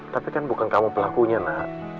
tapi kan bukan kamu pelakunya nak